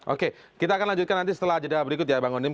oke kita akan lanjutkan nanti setelah jeda berikut ya bang onim